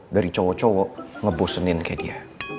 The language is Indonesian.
dari cowok cowok ngebosenin kayak dia